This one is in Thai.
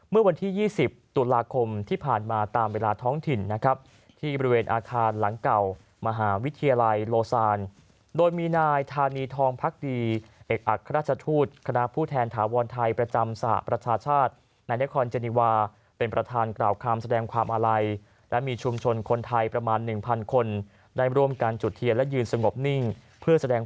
เมื่อวันที่๒๐ตุลาคมที่ผ่านมาตามเวลาท้องถิ่นนะครับที่บริเวณอาคารหลังเก่ามหาวิทยาลัยโลซานโดยมีนายธานีทองพักดีเอกอัครราชทูตคณะผู้แทนถาวรไทยประจำสหประชาชาติในนครเจนีวาเป็นประธานกล่าวคำแสดงความอาลัยและมีชุมชนคนไทยประมาณ๑๐๐คนได้ร่วมกันจุดเทียนและยืนสงบนิ่งเพื่อแสดง